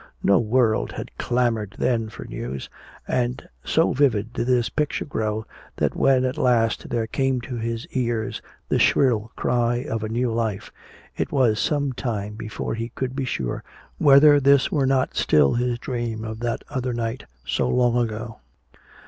No world had clamored then for news. And so vivid did this picture grow, that when at last there came to his ears the shrill clear cry of a new life, it was some time before he could be sure whether this were not still his dream of that other night so long ago.